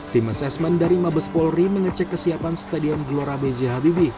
tim asesmen dari mabes polri mengecek kesiapan stadion glora bghdb